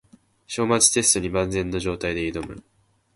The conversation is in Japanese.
章末テストに万全の状態で挑む